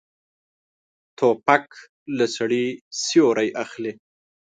توپک له سړي سیوری اخلي.